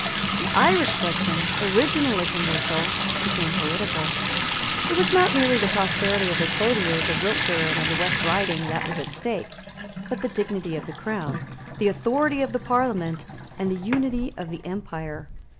The Irish question, originally commercial, became political. It was not merely the prosperity of the clothiers of Wiltshire and of the West Riding that was at stake; but the dignity of the Crown, the authority of the Parliament, and the unity of the empire.